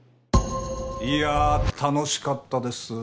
いやあ楽しかったです